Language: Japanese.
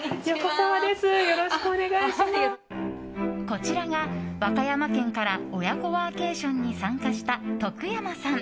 こちらが和歌山県から親子ワーケーションに参加した、徳山さん。